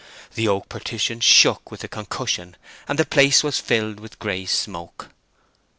The oak partition shook with the concussion, and the place was filled with grey smoke.